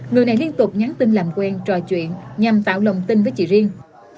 người này liên tục nhắn tin làm quen trò chuyện nhằm tạo lòng tin với chị riêng